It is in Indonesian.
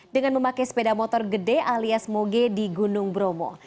dengan memakai sepeda motor gede alias moge di gunung bromo